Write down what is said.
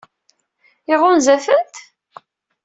Iɣunza-tent?